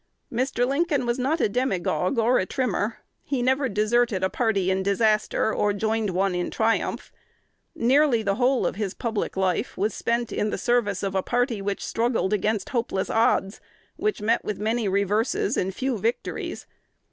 Mr. Lincoln was not a demagogue or a trimmer. He never deserted a party in disaster, or joined one in triumph. Nearly the whole of his public life was spent in the service of a party which struggled against hopeless odds, which met with many reverses and few victories.